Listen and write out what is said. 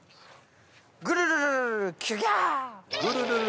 「グルルルゥキュギャー」